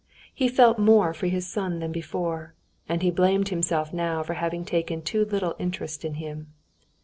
He felt more for his son than before. And he blamed himself now for having taken too little interest in him.